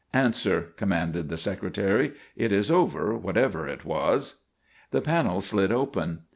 "Answer," commanded the Secretary. "It is over, whatever it was." The panel slid open.